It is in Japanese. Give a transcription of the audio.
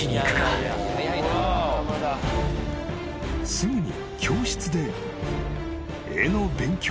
［すぐに教室で］